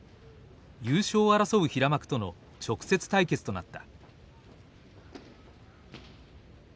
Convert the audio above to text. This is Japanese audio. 優勝を争う平幕との直接対決となった。